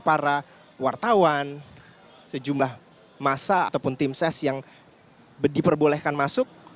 para wartawan sejumlah masa ataupun tim ses yang diperbolehkan masuk